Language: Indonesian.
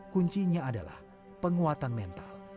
kuncinya adalah penguatan mental